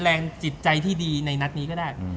แรงจิตใจที่ดีในนัดนี้ก็ได้